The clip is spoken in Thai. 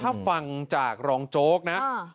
ถ้าฟังจากรองโจ๊กนะ